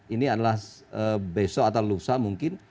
ini adalah besok atau lusa mungkin